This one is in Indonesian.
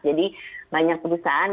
jadi banyak perusahaan